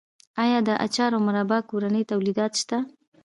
آیا د اچار او مربا کورني تولیدات شته؟